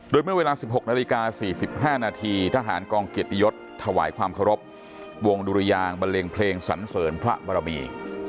โดยเมื่อเวลา๑๖นาฬิกา๔๕นาทีทหารกองเกียรติยศถวายความเคารพวงดุรยางบันเลงเพลงสันเสริญพระบรมี